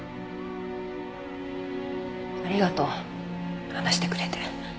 ありがとう話してくれて。